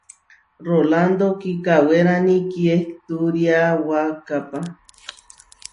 Rolándo kikawérani kiehturiawakápa.